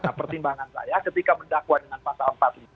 nah pertimbangan saya ketika mendakwa dengan pasal empat puluh lima